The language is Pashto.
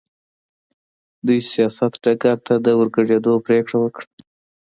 دوی سیاست ډګر ته د ورګډېدو پرېکړه وکړه.